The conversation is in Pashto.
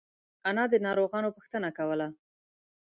انا د ناروغانو پوښتنه کوي